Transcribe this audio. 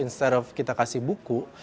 gimana kalau kita kasih buku